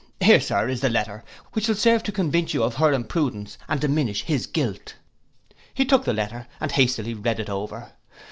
Here, Sir, is the letter, which will serve to convince you of her imprudence and diminish his guilt.' He took the letter, and hastily read it over.